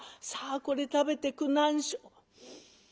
さあこれ食べてくなんしょ」。